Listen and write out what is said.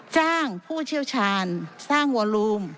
จ้างผู้เชี่ยวชาญสร้างวอลูม